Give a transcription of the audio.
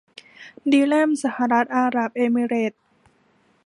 ดีแรห์มสหรัฐอาหรับเอมิเรตส์